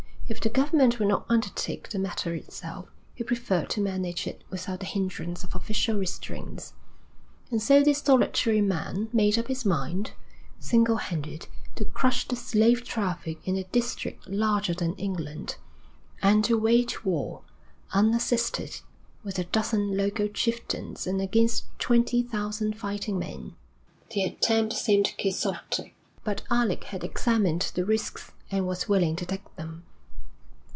If the government would not undertake the matter itself, he preferred to manage it without the hindrance of official restraints. And so this solitary man made up his mind, single handed, to crush the slave traffic in a district larger than England, and to wage war, unassisted, with a dozen local chieftains and against twenty thousand fighting men The attempt seemed Quixotic, but Alec had examined the risks and was willing to take them.